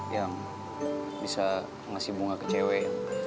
yang bisa ngasih bunga ke cewek